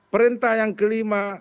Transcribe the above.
perintah yang kelima